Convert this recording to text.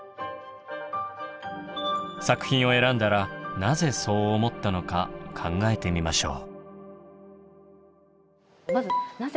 作品を選んだらなぜそう思ったのか考えてみましょう。